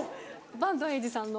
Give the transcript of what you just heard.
板東英二さんの。